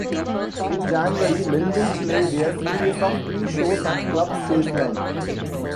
In January, Melvins played a series of three shows at Club Spaceland.